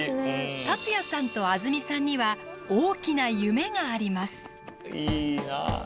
達也さんとあづみさんには大きな夢があります。